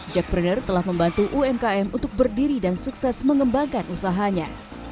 jackpreneur telah membantu umkm untuk berdiri dan sukses mengembangkan usahanya